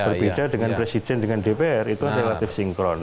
berbeda dengan presiden dengan dpr itu relatif sinkron